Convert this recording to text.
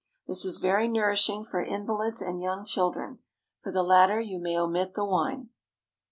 This is very nourishing for invalids and young children. For the latter you may omit the wine.